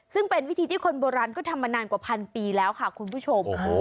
ซึ่งเป็นวิธีที่คนโบราณก็ทำมานานกว่าพันปีแล้วค่ะคุณผู้ชม